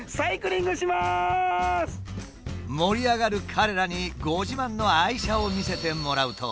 盛り上がる彼らにご自慢の愛車を見せてもらうと。